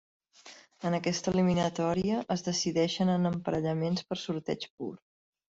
En aquesta eliminatòria es decideixen en emparellaments per sorteig pur.